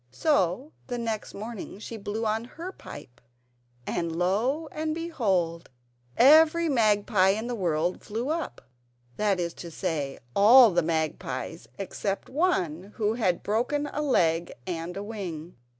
So the next morning she blew on her pipe, and lo! and behold every magpie in the world flew up. That is to say, all the magpies except one who had broken a leg and a wing.